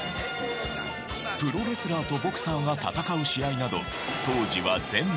プロレスラーとボクサーが戦う試合など。